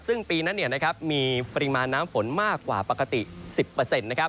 ซึ่งปีนั้นมีปริมาณน้ำฝนมากกว่าปกติ๑๐นะครับ